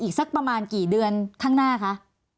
สักประมาณกี่เดือนข้างหน้าคะ